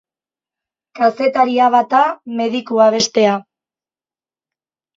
Kazetaria bata, medikua bestea.